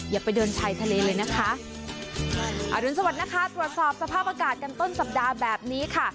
อย่าไปเดินชายทะเลเลยนะคะอรุณสวัสดินะคะตรวจสอบสภาพอากาศกันต้นสัปดาห์แบบนี้ค่ะ